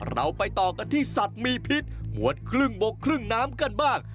เราไปต่อกันที่สัตว์มีพิษหมวดครึ่งบกครึ่งน้ำกันบ้าง